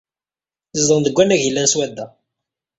Zedɣen deg wannag yellan swadda.